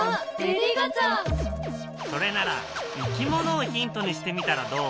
それならいきものをヒントにしてみたらどう？